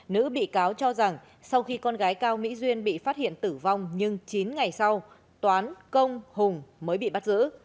nữ bị cáo cho rằng sau khi con gái cao mỹ duyên bị phát hiện tử vong nhưng chín ngày sau toán công hùng mới bị bắt giữ